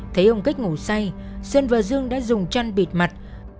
thấy ông kích ngủ say sơn và dương đã dùng chăn bịt mặt